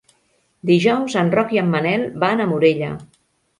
Dijous en Roc i en Manel van a Morella.